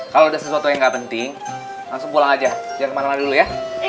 kalau ada sesuatu yang nggak penting langsung pulang aja jangan kemana mana dulu ya